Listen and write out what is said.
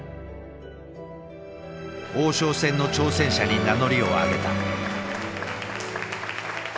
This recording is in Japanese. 王将戦の挑戦者に名乗りを上げた。